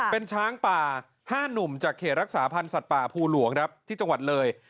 เป็นช้างป่า๕หนุ่มจากเขตรักษาพันธ์สัตว์ป่าภูหลวงครับที่จังหวัดเลย